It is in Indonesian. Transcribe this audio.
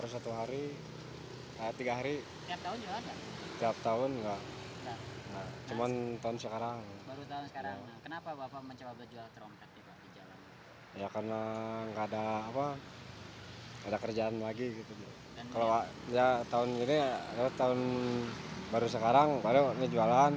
sejak tahun baru sekarang baru ini jualan